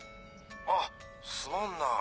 あっすまんな。